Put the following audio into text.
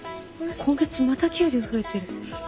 今月また給料増えてる